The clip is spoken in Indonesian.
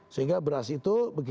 sehingga beras itu